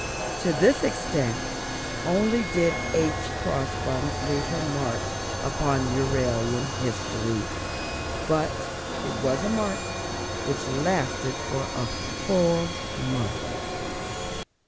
To this extent only did H. Crossbuns leave her mark upon Euralian history; but it was a mark which lasted for a full month.